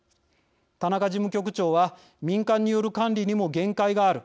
田中事務局長は「民間による管理にも限界がある。